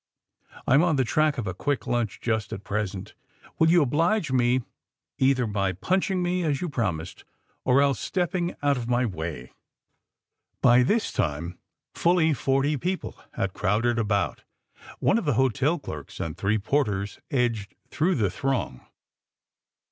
I'm on the track of a quick lunch just at present. Will you oblige me either by punchingnme, as you promised, or else stepping out of my way. '' By this time fully forty people had crowded about. One of the hotel clerks and three porters edged through the throng.